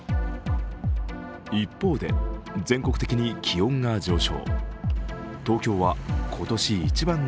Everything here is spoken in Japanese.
一方で全国的に気温が上昇。